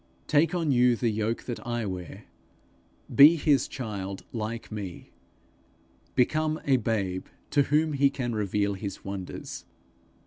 Take on you the yoke that I wear; be his child like me; become a babe to whom he can reveal his wonders.